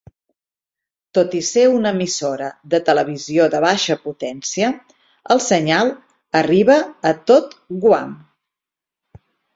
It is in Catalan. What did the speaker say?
Tot i ser una emissora de televisió de baixa potència, el senyal arriba a tot Guam.